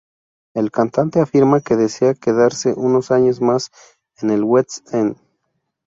El cantante afirma que desea quedarse unos años más en el West End.